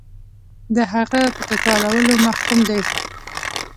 د هغه په تکرارولو محکوم دی.